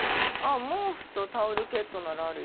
毛布とタオルケットならあるよ。